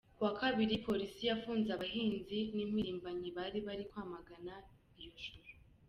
Ku wa kabiri, polisi yafunze abahinzi n'impirimbamyi bari bari kwamagana iyo shusho.